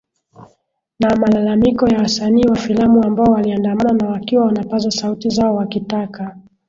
na malalamiko ya wasanii wa filamu ambao waliandamana na wakiwa wanapaza sauti zao wakitaka